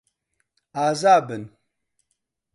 ئازا بن.